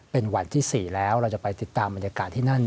เป็นวันที่๔แล้วเราจะไปติดตามบรรยากาศที่นั่น